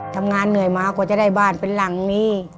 ทำงานเหนื่อยมากว่าจะได้บ้านเป็นหลังนี้